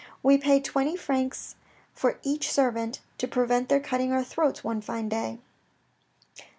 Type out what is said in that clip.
We pay twenty francs for each servant, to prevent their cutting our throats one fine day.